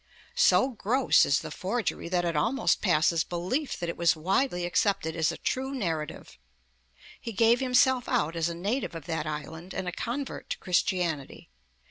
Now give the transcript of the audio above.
So gross is the forgery that it almost passes belief that it was widely accepted as a true narrative. He gave himself out as a native of that island and a convert to Christianity.